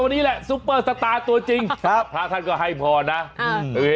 น่าเธอร์สาทุมชอบดีดู